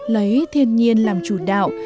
lấy thiên nhiên làm chủ đạo